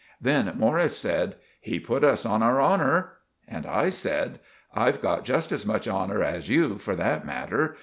Then Morris said— "He put us on our honour." And I said— "I've got just as much honour as you for that matter.